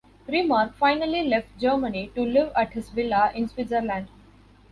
Remarque finally left Germany to live at his villa in Switzerland.